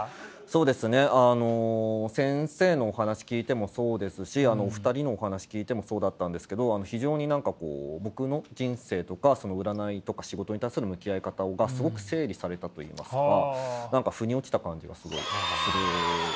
そうですねあの先生のお話聞いてもそうですしお二人のお話聞いてもそうだったんですけど非常に何かこう僕の人生とか占いとか仕事に対する向き合い方がすごく整理されたといいますか何かふに落ちた感じがすごいする時間だったなと思います。